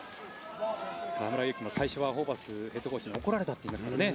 河村勇輝も最初はホーバスヘッドコーチに怒られたといいますからね。